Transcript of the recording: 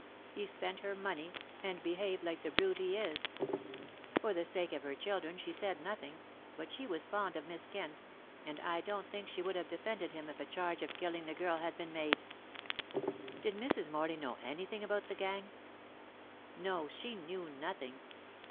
He spent her money, and behaved like the brute he is. For the sake of her children she said nothing, but she was fond of Miss Kent, and I don't think she would have defended him if a charge of killing the girl had been made." "Did Mrs. Morley know anything about the gang?" "No, she knew nothing.